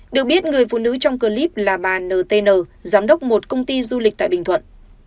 được biết người phụ nữ trong clip là bà ntn giám đốc một công ty du lịch tại bình thuận